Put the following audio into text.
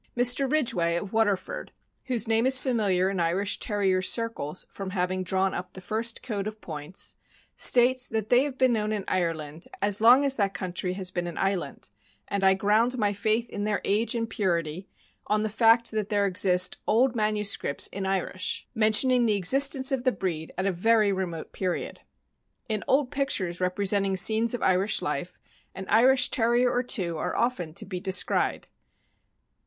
Mr. Ridgway, of Waterford, whose name is familiar in Irish Terrier circles from having drawn up the first code of points, states that they have been known in Ireland "as long as that country has been an island, and I ground my faith in their age and purity on the fact that there exist old manuscripts in Irish mentioning the THE IRISH TERRIER. 417 existence of the breed at a very remote period." In old pictures representing scenes of Irish life, an Irish Terrier or two are often to be descried.